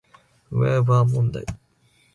ウェーバー問題